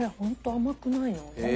甘くない！